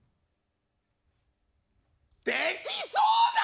できそうだな！